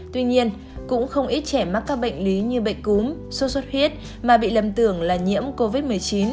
tuy nhiên cũng không ít trẻ mắc các bệnh lý như bệnh cúm sốt xuất huyết mà bị lầm tưởng là nhiễm covid một mươi chín